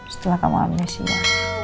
setelah kamu ambil sia